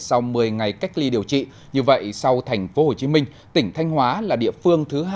sau một mươi ngày cách ly điều trị như vậy sau thành phố hồ chí minh tỉnh thanh hóa là địa phương thứ hai